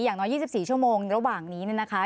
อย่างน้อย๒๔ชั่วโมงระหว่างนี้เนี่ยนะคะ